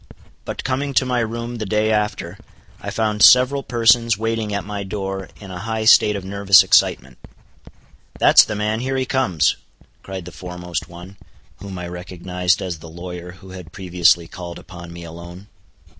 But coming to my room the day after, I found several persons waiting at my door in a high state of nervous excitement. "That's the man—here he comes," cried the foremost one, whom I recognized as the lawyer who had previously called upon me alone.